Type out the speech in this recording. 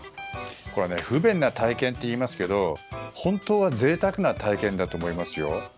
これは不便な体験っていいますけど本当は贅沢な体験だと思いますよ。